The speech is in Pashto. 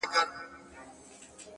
هره ستونزه د حل تخم لري,